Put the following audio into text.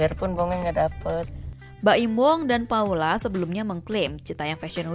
emang benar dapat uang lima ratus juta rupiah